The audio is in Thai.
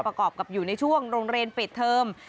ประกอบกับอยู่ในช่วงโรงเรียนปิดเทอม